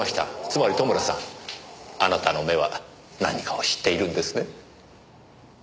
つまり戸村さんあなたの目は何かを知っているんですね？